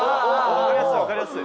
分かりやすい、分かりやすい。